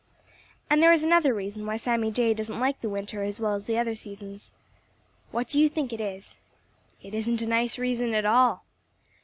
And there is another reason why Sammy Jay doesn't like the winter as well as the other seasons. What do you think it is? It isn't a nice reason at all.